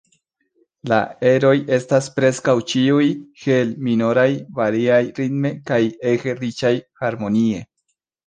La eroj estas preskaŭ ĉiuj hel-minoraj, variaj ritme kaj ege riĉaj harmonie.